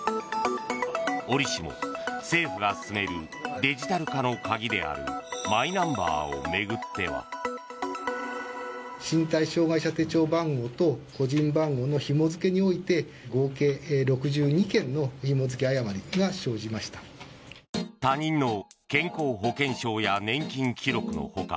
折しも、政府が進めるデジタル化の鍵であるマイナンバーを巡っては。他人の健康保険証や年金記録の他